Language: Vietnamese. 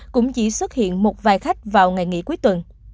cũng chỉ xuất hiện một vài khách vào ngày nghỉ cuối tuần